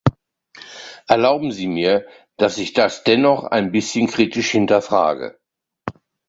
Erlauben Sie mir, dass ich das dennoch ein bisschen kritisch hinterfrage.